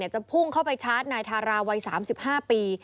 จะพุ่งเข้าไปชาร์จนายทาราวัย๓๕ปี